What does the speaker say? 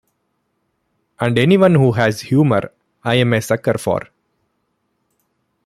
And anyone who has humor I'm a sucker for.